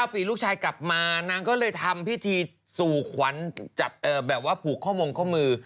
ปีลูกชายกลับมานางก็เลยทำพิธีสู่ขวัญจับแบบว่าผูกข้อมงข้อมือ